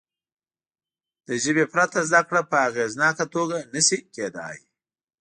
له ژبې پرته زده کړه په اغېزناکه توګه نه شي کېدای.